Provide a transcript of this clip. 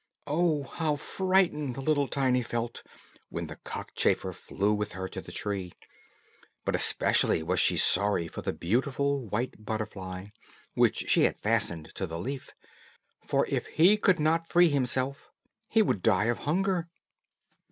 Oh, how frightened little Tiny felt when the cockchafer flew with her to the tree! But especially was she sorry for the beautiful white butterfly which she had fastened to the leaf, for if he could not free himself he would die of hunger.